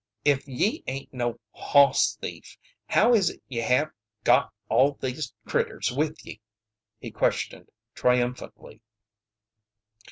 "Ef ye aint no hoss thief, how is it ye hev got all these critters with ye?" he questioned triumphantly.